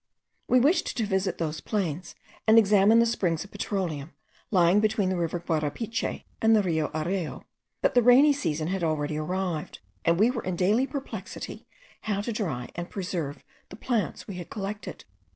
We wished to visit those plains, and examine the springs of petroleum, lying between the river Guarapiche and the Rio Areo; but the rainy season had already arrived, and we were in daily perplexity how to dry and preserve the plants we had collected.